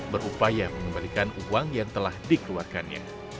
berupaya mengembalikan uang yang telah dikeluarkannya